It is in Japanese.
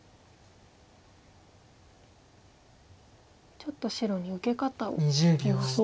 ちょっと白に受け方を聞きましたか。